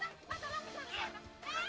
aku mau ke rumah